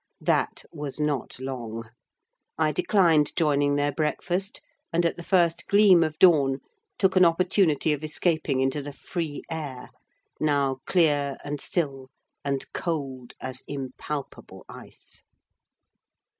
That was not long. I declined joining their breakfast, and, at the first gleam of dawn, took an opportunity of escaping into the free air, now clear, and still, and cold as impalpable ice.